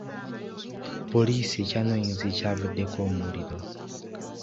Poliisi ekyanoonyereza ekyavuddeko omuliro.